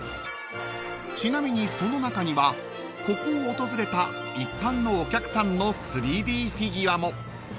［ちなみにその中にはここを訪れた一般のお客さんの３Ｄフィギュアも］